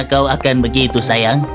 kau akan begitu sayang